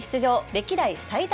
歴代最多